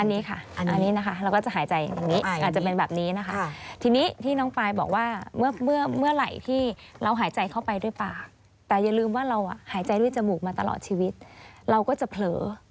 อันนี้ค่ะอันนี้นะคะเราก็จะหายใจอย่างนี้อาจจะเป็นแบบนี้นะคะทีนี้ที่น้องปายบอกว่าเมื่อเมื่อไหร่ที่เราหายใจเข้าไปด้วยปากแต่อย่าลืมว่าเราหายใจด้วยจมูกมาตลอดชีวิตเราก็จะเผลอ